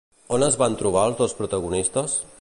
On es van trobar els dos protagonistes?